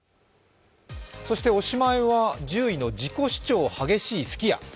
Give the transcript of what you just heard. そしておしまいは１０位の自己主張激しいすき家。